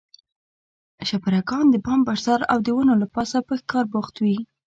شپرکان د بام پر سر او د ونو له پاسه په ښکار بوخت وي.